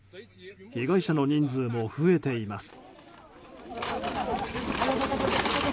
被害者の人数も増えています。